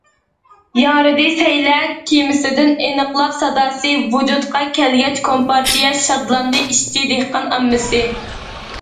« ياڭرىدى سەيلە كېمىسىدىن ئىنقىلاب ساداسى، ۋۇجۇدقا كەلگەچ كومپارتىيە، شادلاندى ئىشچى- دېھقان ئاممىسى».